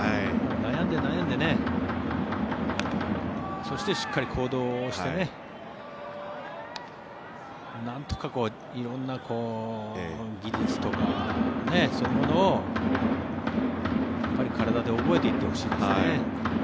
悩んで、悩んでそして、しっかり行動をしてなんとか色んな技術とかそういうものを体で覚えていってほしいですね。